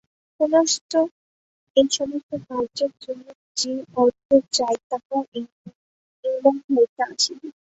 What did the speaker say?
পুনশ্চ এই সমস্ত কার্যের জন্য যে অর্থ চাই, তাহাও ইংলণ্ড হইতে আসিবে।